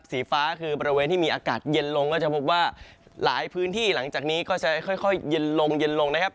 สีฟ้าคือบริเวณที่มีอากาศเย็นลงก็จะพบว่าหลายพื้นที่หลังจากนี้ก็จะค่อยเย็นลงเย็นลงนะครับ